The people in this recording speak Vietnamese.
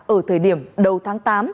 ở thời điểm đầu tháng tám